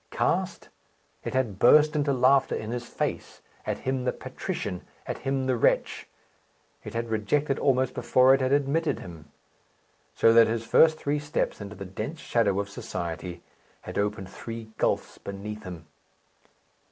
Caste? It had burst into laughter in his face, at him the patrician, at him the wretch. It had rejected, almost before it had admitted him. So that his first three steps into the dense shadow of society had opened three gulfs beneath him.